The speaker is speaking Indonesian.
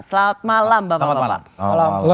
selamat malam bapak bapak